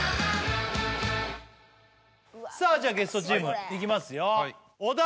さあじゃあゲストチームいきますよお題